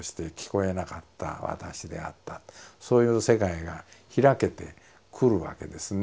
そういう世界が開けてくるわけですね